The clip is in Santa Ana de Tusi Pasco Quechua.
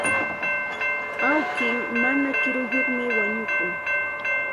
Awki mana kiruyuqmi wañukun.